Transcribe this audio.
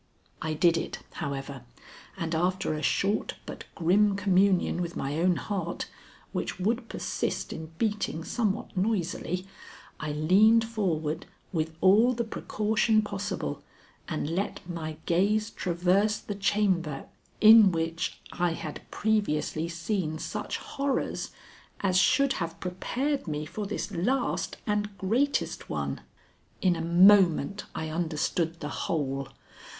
I did it, however, and after a short but grim communion with my own heart, which would persist in beating somewhat noisily, I leaned forward with all the precaution possible and let my gaze traverse the chamber in which I had previously seen such horrors as should have prepared me for this last and greatest one. In a moment I understood the whole.